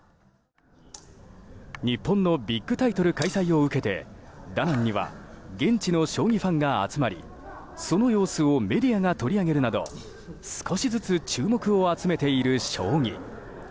日本のビッグタイトル開催を受けてダナンには現地の将棋ファンが集まりその様子をメディアが取り上げるなど少しずつ注目を集めている将棋。